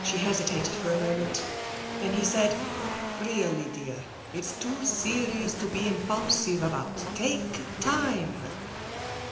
She hesitated for a moment. Then he said: 'Really, dear, it's too serious to be impulsive about. Take time.'